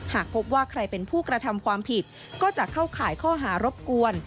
หากพบว่าใครเป็นผู้กระทำความผิดก็จะเข้าข่ายข้อหารบกวน